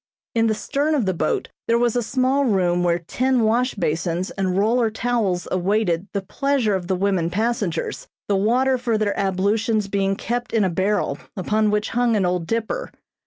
In the stern of the boat there was a small room where tin wash basins and roller towels awaited the pleasure of the women passengers, the water for their ablutions being kept in a barrel, upon which hung an old dipper.